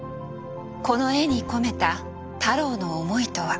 この絵に込めた太郎の思いとは。